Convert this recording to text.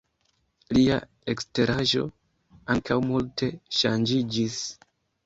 Lia eksteraĵo ankaŭ multe ŝanĝiĝis.